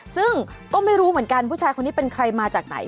ซึ่งก็ไม่รู้เหมือนกันผู้ชายคนนี้เป็นใครมาจากไหน